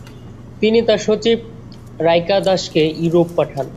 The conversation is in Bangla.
তিনি তার সচিব রাইকাইদাসকে ইউরোপ পাঠান।